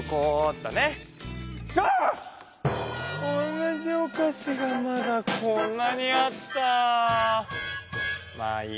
同じおかしがまだこんなにあった。